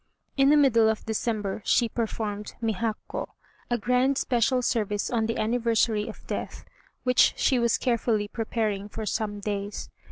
In the middle of December she performed Mihakkô (a grand special service on the anniversary of death), which she was carefully preparing for some days.